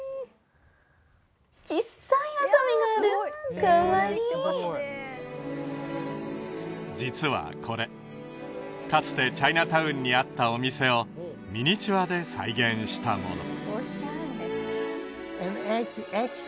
小さいハサミがあるかわいい実はこれかつてチャイナタウンにあったお店をミニチュアで再現したもの